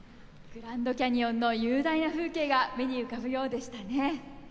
グランドキャニオンの雄大な風景が目に浮かぶようでしたね。